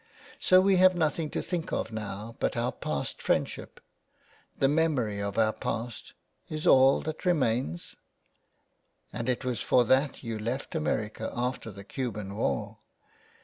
So we have nothing to think of now but our past friendship. The memory of our past — is all that remains ? And it was for that you left America after the Cuban war